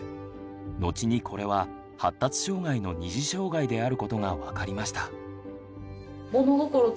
後にこれは発達障害の二次障害であることが分かりました。